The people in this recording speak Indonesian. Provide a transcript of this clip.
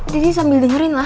didi sambil dengerin lah